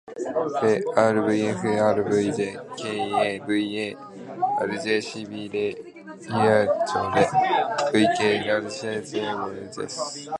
ふぇ ｒｖｆｒｖｊ きえ ｖ へ ｒｊｃｂ れ ｌｈｃ れ ｖ け ｒｊ せ ｒｋｖ じぇ ｓ